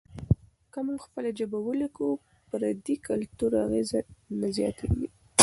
که موږ خپله ژبه ولیکو، پردي کلتور اغېز نه زیاتیږي.